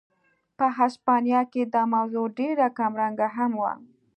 په هسپانیا کې دا موضوع ډېره کمرنګه هم وه.